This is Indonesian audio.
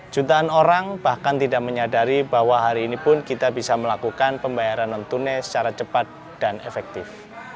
jutaan orang bahkan tidak menyadari bahwa hari ini pun kita bisa melakukan pembayaran non tunai secara cepat dan efektif